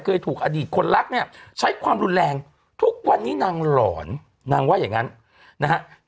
เคยถูกอดีตคนรักเนี่ยใช้ความรุนแรงทุกวันนี้นางหลอนนางว่าอย่างนั้นนะฮะ